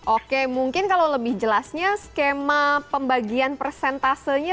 oke mungkin kalau lebih jelasnya skema pembagian persentasenya